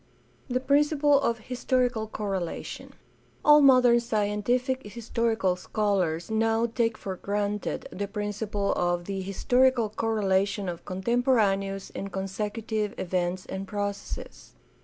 The principle of historical correlation. — All modern scien tific historical scholars now take for granted the principle of the historical correlation of contemporaneous and consecu tive events and processes.